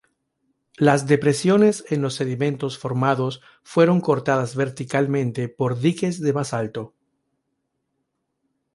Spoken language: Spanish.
Las depresiones en los sedimentos formados fueron cortadas verticalmente por diques de basalto.